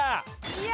いや！